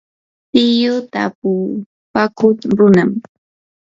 tiyuu tapupakuq runam.